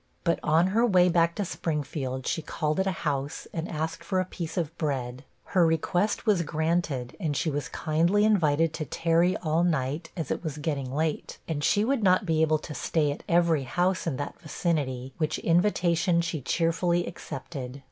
But on her way back to Springfield, she called at a house and asked for a piece of bread; her request was granted, and she was kindly invited to tarry all night, as it was getting late, and she would not be able to stay at every house in that vicinity, which invitation she cheerfully accepted.